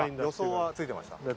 予想はついてました？